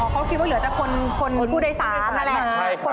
เขาคิดว่าเหลือแต่คนผู้โดยสารนั่นแหละ